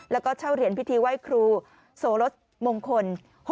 แล้วก็เช่าเหรียญพิธีไหว้ครูโสรสมงคล